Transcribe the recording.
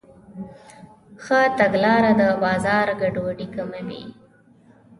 ښه تګلاره د بازار ګډوډي کموي.